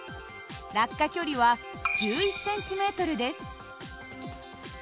落下距離は１１ｃｍです。